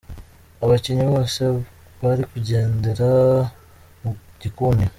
: Abakinnyi bose bari kugendera mu gikundi.